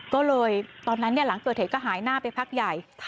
ก็เลยตอนนั้นเนี่ยหลังเกิดเหตุภูมิแล้วก็ถ่ายหายหน้าไปพักใหญ่ค่ะ